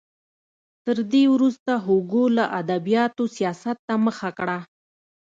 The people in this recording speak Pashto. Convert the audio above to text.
تر دې وروسته هوګو له ادبیاتو سیاست ته مخه کړه.